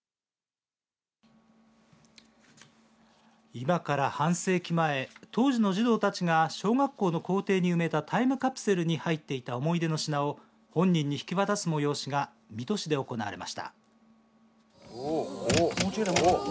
今から半世紀前当時の児童たちが小学校の校庭に埋めたタイムカプセルに入っていた思い出の品を本人に引き渡す催しが水戸市で行われました。